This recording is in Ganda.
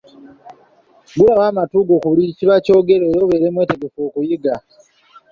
Ggulawo amatu go ku buli kiba kyogerwa era obeere mwetegefu okuyiga.